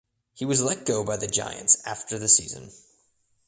He was let go by the Giants after the season.